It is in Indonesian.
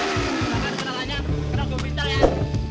kenal kenalannya kenal gue pinta ya